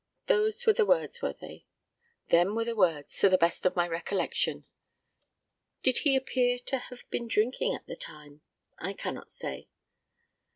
Those were the words, were they? Them were the words, to the best of my recollection. Did he appear to have been drinking at the time? I cannot say.